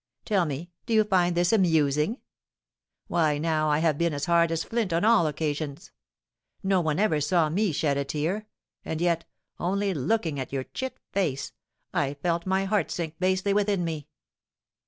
Tell me, do you find this amusing? Why, now, I have been as hard as flint on all occasions. No one ever saw me shed a tear, and yet, only looking at your chit face, I felt my heart sink basely within me!